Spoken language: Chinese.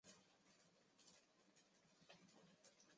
维多利亚中的战斗单位被分为陆军和海军。